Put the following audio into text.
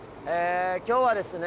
今日はですね